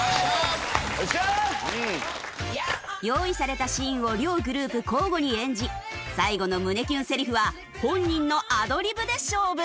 用意されたシーンを両グループ交互に演じ最後の胸キュンセリフは本人のアドリブで勝負。